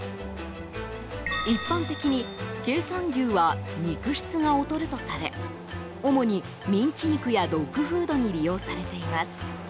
一般的に経産牛は肉質が劣るとされ主にミンチ肉やドッグフードに利用されています。